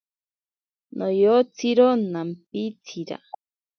Noyotsiro nampitsira.